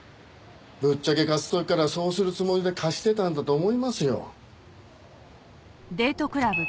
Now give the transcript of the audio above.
ぶっちゃけ貸す時からそうするつもりで貸してたんだと思いますよ。